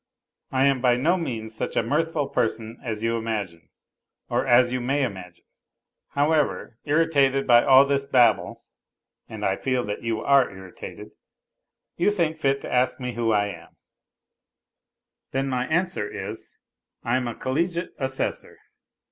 I am by no means such a mirthful person as you imagine, or as you may imagine ; however, irritated by all this babble (and I feel that you are irritated) you think fit to ask me who am I then my answer is, I am a collegiate assessor.